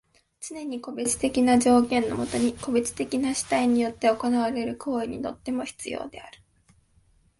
つねに個別的な条件のもとに個別的な主体によって行われる行為にとっても必要である。